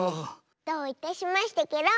どういたしましてケロ。